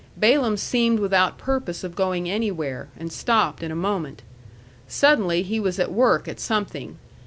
Balaam seemed without purpose of going anywhere, and stopped in a moment. Suddenly he was at work at something.